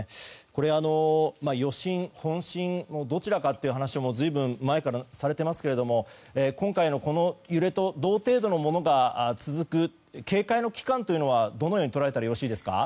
余震、本震どちらかという話も随分前からされていますが今回の揺れと同程度のものが続く警戒の期間というのはどのように捉えたらよろしいですか。